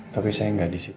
tapi saya enggak disitu